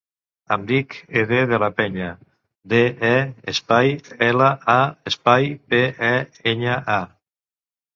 Em dic Aidé De La Peña: de, e, espai, ela, a, espai, pe, e, enya, a.